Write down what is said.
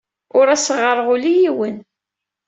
Ur as-ɣɣareɣ ula i yiwen.